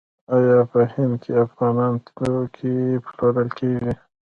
آیا په هند کې افغاني توکي پلورل کیږي؟